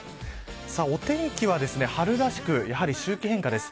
お天気は、春らしくやはり周期変化です。